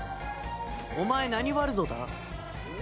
お前何ワルドだ？